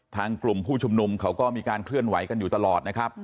ทางกลุ่มผู้ชุมนุมเขาก็มีการเคลื่อนไหวกันอยู่ตลอดนะครับ